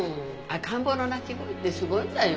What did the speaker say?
赤ん坊の泣き声ってすごいんだよ。